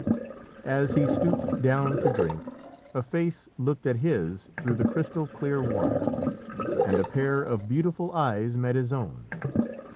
As he stooped down to drink, a face looked at his through the crystal clear water, and a pair of beautiful eyes met his own.